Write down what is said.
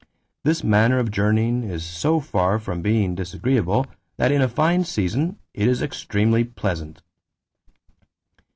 This manner of journeying is so far from being disagreeable that in a fine season it is extremely pleasant."